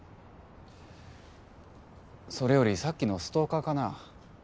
それよりさっきのストーカーかな？